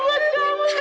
mira kakak minta maaf